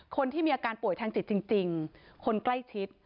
คนที่มีอาการป่วยทางจิตจริงคนใกล้ชิด